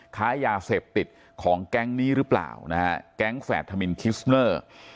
ค้ายาเสพติดของแก๊งนี้หรือเปล่านะฮะแก๊งแฝดธมินคิสเนอร์